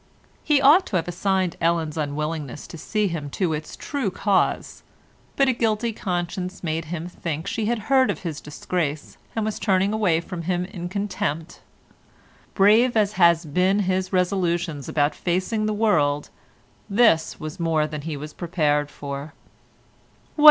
He ought to have assigned Ellen's unwillingness to see him to its true cause, but a guilty conscience made him think she had heard of his disgrace and was turning away from him in contempt. Brave as had been his resolutions about facing the world, this was more than he was prepared for; "What!